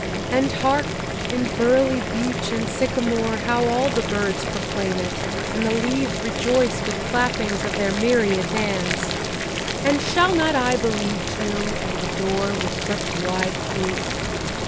And hark! in burly beech and sycamore How all the birds proclaim it! and the leaves Rejoice with clappings of their myriad hands! And shall not I believe, too, and adore, With such wide proof?